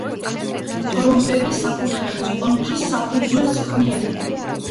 ტრომპები საკურთხევლის კონქის საფუძველს ქმნიან.